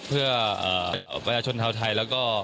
เพื่อชนชาวไทยและก็